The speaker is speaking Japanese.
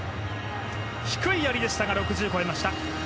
低いやりでしたが６０を越えました。